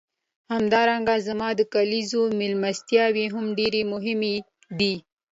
همدارنګه زما د کلیزو میلمستیاوې هم ډېرې مهمې دي.